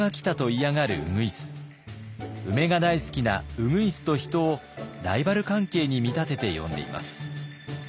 梅が大好きな鶯と人をライバル関係に見立てて詠んでいます。